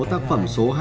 tác phẩm số hai